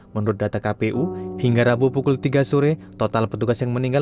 menurut data kpu hingga rabu pukul tiga sore total petugas yang meninggal